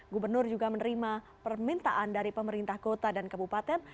gubernur juga menerima permintaan dari pemerintah kota dan kabupaten